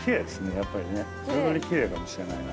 やっぱりね彩りキレイかもしれないな